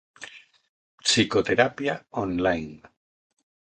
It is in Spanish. Psicoterapia online